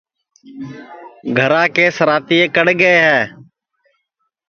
گھرا کے سِراتئے کڑ گئے ہے